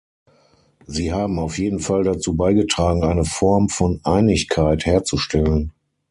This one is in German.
Sie haben auf jeden Fall dazu beigetragen, eine Form von Einigkeit herzustellen.